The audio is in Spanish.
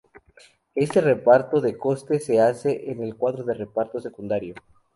Este reparto de costes se hace en el cuadro de reparto secundario.